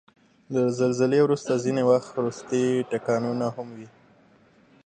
له زلزلې وروسته ځینې وخت وروستی ټکانونه هم وي.